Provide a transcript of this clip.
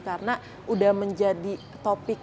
karena udah menjadi topik